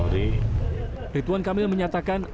ritwan kamil menyatakan